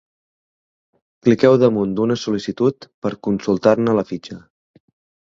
Cliqueu damunt d'una sol·licitud per consultar-ne la fitxa.